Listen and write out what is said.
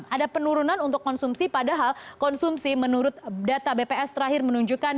ada penurunan untuk konsumsi padahal konsumsi menurut data bps terakhir menunjukkan